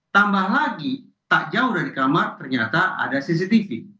tambah lagi tak jauh dari kamar ternyata ada cctv